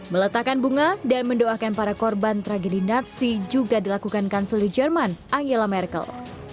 meletakkan bunga dan mendoakan para korban tragedi natsi juga dilakukan kanseli jerman angela merkel